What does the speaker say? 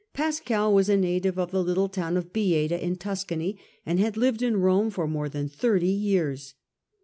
Pascal was a native of the little town of Bieda in Tuscany, and had lived in Rome for more than thirty years.